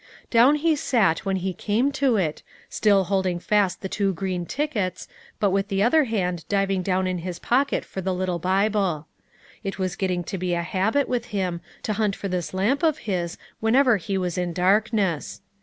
Down he sat when he came to it, still holding fast the two green tickets, but with the other hand diving down in his pocket for the little Bible. That was getting to be a habit with him, to hunt for this lamp of his whenever he was in darkness.